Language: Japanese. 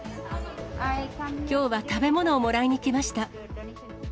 きょうは食べ物をもらいに来ました。